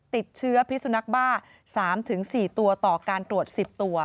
ติดเชื้อพิสุนักบ้า๓๔ตัวต่อการตรวจ๑๐ตัว